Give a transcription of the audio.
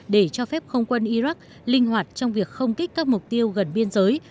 để cho phép không quân iraq linh hoạt trong việc không kích các mục tiêu gần biên giới